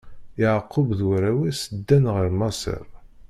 Yeɛqub d warraw-is ddan ɣer Maseṛ.